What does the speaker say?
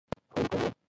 ښوونکی نه و.